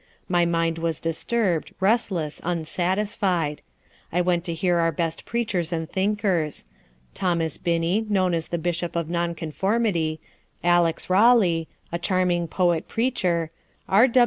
My mind was disturbed, restless, unsatisfied. I went to hear our best preachers and thinkers. Thomas Binney, known as the Bishop of Non conformity; Alex. Raleigh, a charming poet preacher; R.